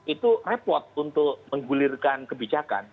itu repot untuk menggulirkan kebijakan